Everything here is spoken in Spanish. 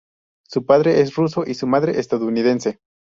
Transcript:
Su padre es ruso y su madre, estadounidense.